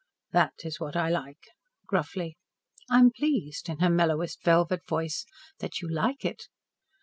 "That is what I like," gruffly. "I am pleased," in her mellowest velvet voice, "that you like it."